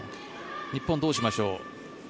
日本、どうしましょう。